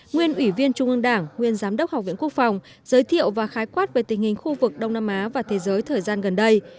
nguyên ủy viên trung ương đảng nguyên giám đốc học viện quốc phòng giới thiệu và khái quát về tình hình khu vực đông nam á và thế giới thời gian gần đây